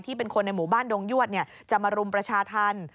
เป็นคนในหมู่บ้านดงยวดจะมารุมประชาธรรม